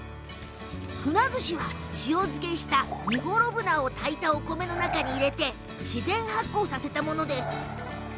ふなずしは塩漬けしたニゴロブナを炊いたお米の中に入れて自然発酵させたもの。